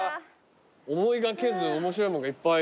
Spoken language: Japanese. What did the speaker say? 思いがけず面白いもんがいっぱい。